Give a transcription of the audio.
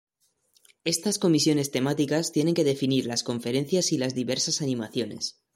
Estas comisiones temáticas tienen que definir las conferencias y las diversas animaciones.